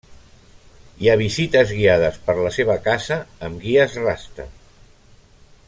Hi ha visites guiades per la seva casa amb guies rasta.